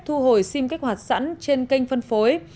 thu hồi sim kích hoạt sẵn trên kênh phân phối